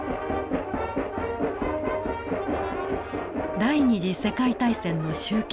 第二次世界大戦の終結。